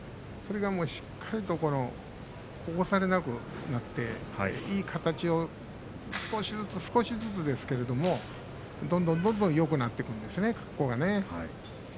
それがもうしっかりと起こされなくなっていい形を少しずつ少しずつですけれどもどんどんよくなっていくんですね。